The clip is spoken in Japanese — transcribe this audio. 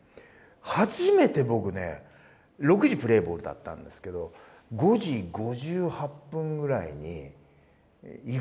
初めて僕ね６時プレーボールだったんですけど５時５８分ぐらいに胃が痛くなったんですよ。